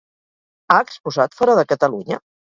Ha exposat fora de Catalunya?